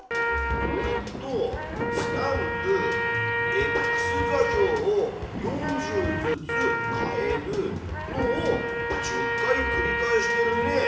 えっとスタンプｘ座標を４０ずつ変えるのを１０回繰り返してるね。